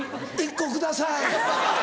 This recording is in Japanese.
１個ください。